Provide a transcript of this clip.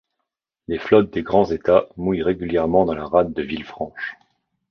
Les flottes des grands États mouillent régulièrement dans la rade de Villefranche.